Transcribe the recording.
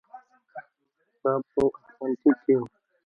دا په اتلانتیک کې و.